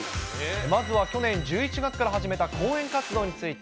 まずは去年１１月から始めた講演活動について。